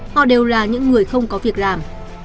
họ đều là những người không có việc làm